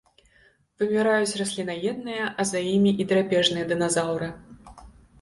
Выміраюць расліннаедныя, а за імі і драпежныя дыназаўры.